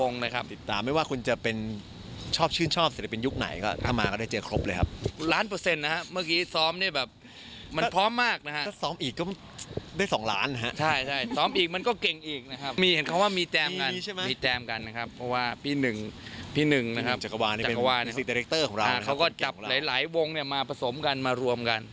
นี่เป็นวิสิตดิเรคเตอร์ของเราเค้าก็จับหลายวงมาผสมกันมารวมกัน